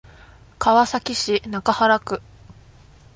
川崎市中原区